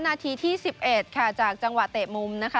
นาทีที่๑๑ค่ะจากจังหวะเตะมุมนะคะ